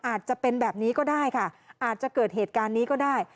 อาจจะเป็นแบบนี้ก็ได้ค่ะอาจจะเกิดเหตุการณ์นี้ก็ได้